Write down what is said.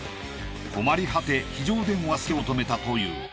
困り果て非常電話で助けを求めたという。